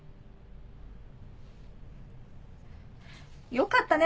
よかったね